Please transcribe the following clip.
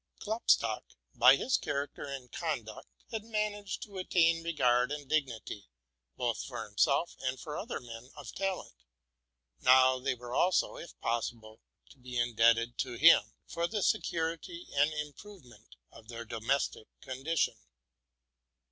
Klopstock, by his character and conduct, had managed to attain regard and dignity, both for himself and for other men of talent; now they were also, if possible, to be in debted to him for the security and improvement of their domestic condition.